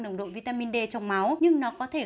nồng độ vitamin d trong máu nhưng nó có thể